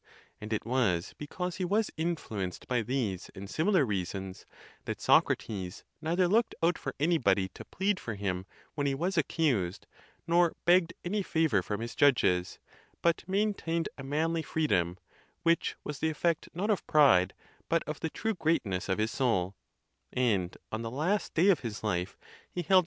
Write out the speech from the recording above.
And it was because he was influenced by these and similar reasons that Socrates neither looked out for anybody to plead for him when he was accused, nor begged any favor from his judges, but maintained a man ly freedom, which was the effect not of pride, but of the true greatness of his soul; and on the last day of his life he held.